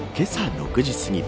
６時すぎ